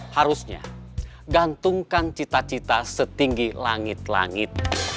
harusnya gantungkan cita cita setinggi langit langit